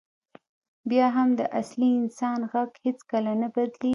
بیا هم د اصلي انسان غږ هېڅکله نه بدلېږي.